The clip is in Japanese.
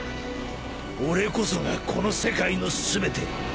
俺こそがこの世界の全て。